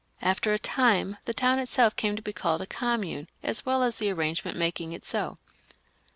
After a time the town itself came to be called a commune, as well as the arrangement making it so.